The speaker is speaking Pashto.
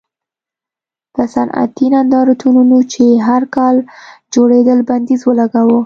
پر صنعتي نندارتونونو چې هر کال جوړېدل بندیز ولګاوه.